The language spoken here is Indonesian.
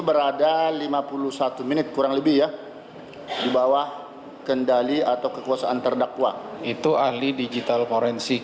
saya tidak bisa mengatakan itu